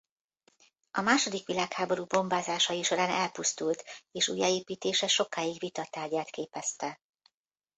A második világháború bombázásai során elpusztult és újjáépítése sokáig vita tárgyát képezte.